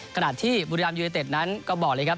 ขณะที่บุรีรัมยูเนเต็ดนั้นก็บอกเลยครับ